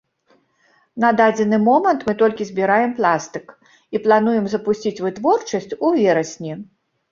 На дадзены момант мы толькі збіраем пластык, і плануем запусціць вытворчасць у верасні.